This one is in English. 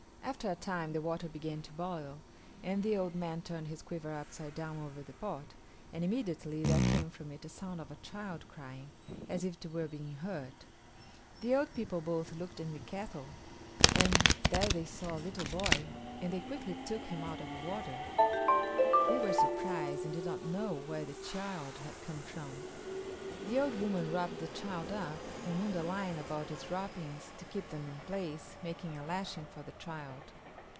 After a time the water began to boil and the old man turned his quiver upside down over the pot, and immediately there came from it a sound of a child crying, as if it were being hurt. The old people both looked in the kettle and there they saw a little boy, and they quickly took him out of the water. They were surprised and did not know where the child had come from. The old woman wrapped the child up and wound a line about its wrappings to keep them in place, making a lashing for the child.